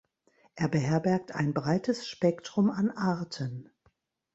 Er beherbergt ein breites Spektrum an Arten.